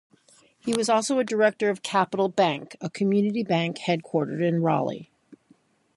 He was also a director of Capital Bank, a community bank headquartered in Raleigh.